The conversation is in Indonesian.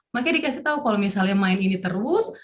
makanya dikasih tahu kalau misalnya main ini terus